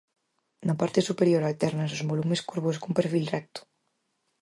Na parte superior altérnanse os volumes curvos cun perfil recto.